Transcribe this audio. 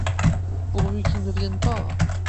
Pourvu qu’ils ne viennent pas !